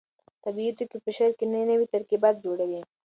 طبیعي توکي په شعر کې نوي ترکیبات جوړوي.